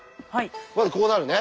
まずこうなるね。